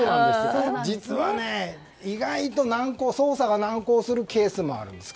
実は、意外と捜査が難航するケースもあるんです。